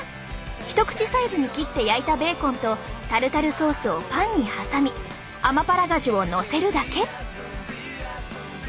一口サイズに切って焼いたベーコンとタルタルソースをパンに挟みアマパラガジュをのせるだけ。